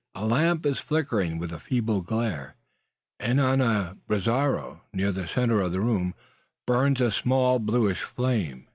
A lamp is flickering with a feeble glare; and on a brazero, near the centre of the room, burns a small bluish flame.